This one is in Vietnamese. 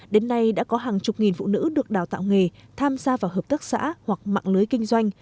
đến nay đã có hàng chục nghìn phụ nữ được đào tạo nghề tham gia vào hợp tác xã hoặc mạng lưới kinh doanh